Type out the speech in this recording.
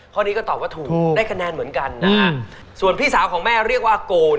ข้อนี้ก็ตอบว่าถูกได้คะแนนเหมือนกันนะฮะส่วนพี่สาวของแม่เรียกว่าโกน